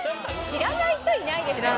知らない人いないでしょ。